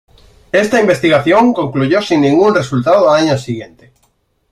Esta investigación concluyó sin ningún resultado al año siguiente.